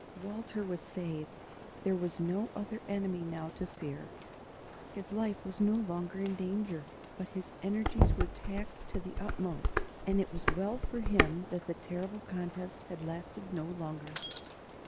Walter was saved; there was no other enemy now to fear; his life was no longer in danger; but his energies were taxed to the utmost, and it was well for him that the terrible contest had lasted no longer.